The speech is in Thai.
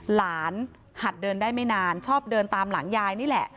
หัดเดินได้ไม่นานชอบเดินตามหลังยายนี่แหละ